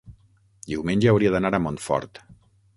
Diumenge hauria d'anar a Montfort.